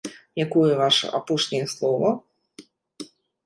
Якое ваша апошняе слова?